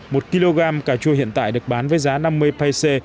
một kg cà chua hiện tại được bán với giá năm mươi pc